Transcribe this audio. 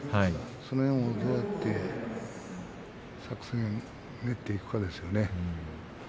その辺、どうやって作戦を練っていくかですね。